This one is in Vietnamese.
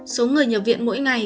số người nhập viện mỗi ngày